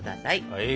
はい！